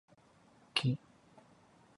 木